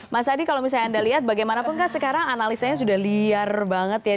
mas adi kalau misalnya anda lihat bagaimanapun kan sekarang analisanya sudah liar banget ya